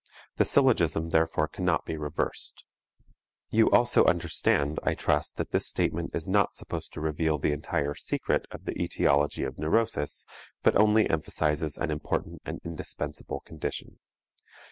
The syllogism therefore cannot be reversed. You also understand, I trust, that this statement is not supposed to reveal the entire secret of the etiology of neurosis, but only emphasizes an important and indispensable condition.